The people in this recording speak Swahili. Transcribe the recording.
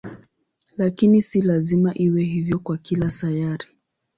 Lakini si lazima iwe hivyo kwa kila sayari.